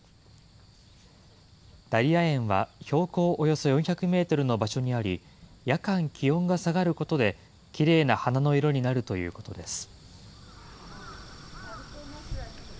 ダリア園は、標高およそ４００メートルの場所にあり、夜間、気温が下がることできれいな花の色になるということです。